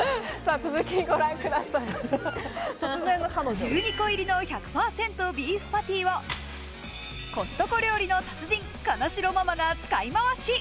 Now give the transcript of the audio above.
１２個入りの１００％ビーフパティをコストコ料理の達人、金城ママが使いまわし。